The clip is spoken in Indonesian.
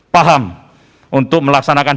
paham untuk melaksanakan